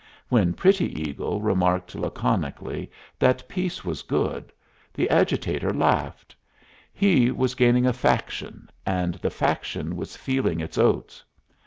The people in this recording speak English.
When Pretty Eagle remarked laconically that peace was good, the agitator laughed; he was gaining a faction, and the faction was feeling its oats.